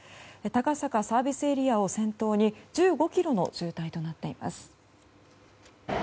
高坂ＳＡを先頭に１５ｋｍの渋滞となっています。